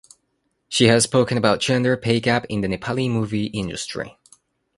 She has spoken about gender pay gap in the Nepali movie industry.